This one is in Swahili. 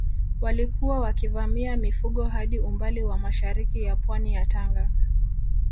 Walikuwa wakivamia mifugo hadi umbali wa mashariki ya pwani ya Tanga